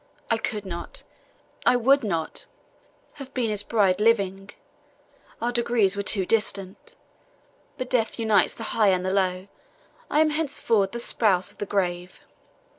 I could not I would not have been his bride living our degrees were too distant. But death unites the high and the low I am henceforward the spouse of the grave."